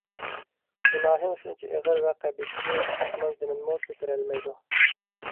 گۇناھىڭ شۇنچە ئېغىر ۋە قەبىھكى، ئاسمان - زېمىنمۇ كۆتۈرەلمەيدۇ!